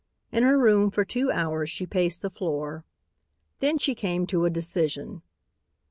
In her room for two hours she paced the floor. Then she came to a decision.